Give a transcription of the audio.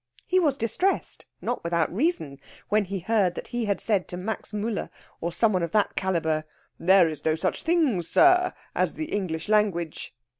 He was distressed, not without reason, when he heard that he had said to Max Müller, or some one of that calibre, "There is no such thing, sir, as the English language!"